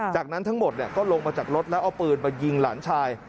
จากนั้นทั้งหมดก็ลงมาจากรถแล้วเอาปืนมายิงหลานชาย